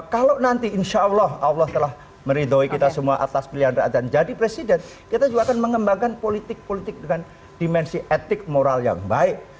kalau nanti insya allah allah telah meridoi kita semua atas pilihan rakyat dan jadi presiden kita juga akan mengembangkan politik politik dengan dimensi etik moral yang baik